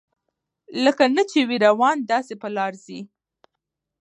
لکه نه چي وي روان داسي پر لار ځي